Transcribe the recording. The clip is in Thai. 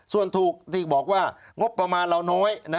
ส่วนถูกที่บอกว่างบประมาณเราน้อย